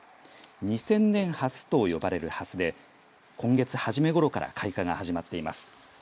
二千年ハスと呼ばれるハスで今月初めごろから開花が始まっています。